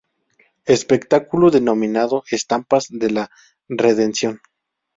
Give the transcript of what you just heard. Espectáculo denominado Estampas de la redención.